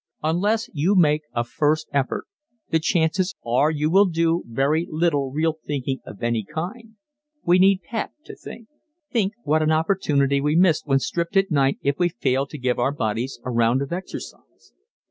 Unless you make a first effort the chances are you will do very little real thinking of any kind we need pep to think. Think what an opportunity we miss when stripped at night if we fail to give our bodies a round of exercise.